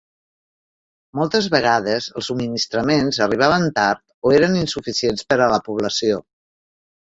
Moltes vegades els subministraments arribaven tard o eren insuficients per a la població.